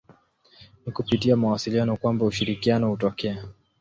Ni kupitia mawasiliano kwamba ushirikiano hutokea.